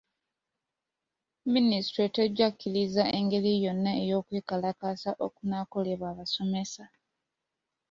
Minisitule tejja kukkiriza ngeri yonna ey'okwekalakaasa okunaakolebwa abasomesa.